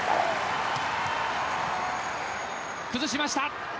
崩しました。